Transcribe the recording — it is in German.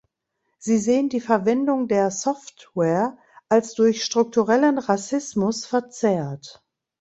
Sie sehen die Verwendung der Software als durch strukturellen Rassismus verzerrt.